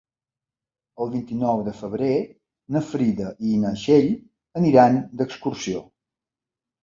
El vint-i-nou de febrer na Frida i na Txell aniran d'excursió.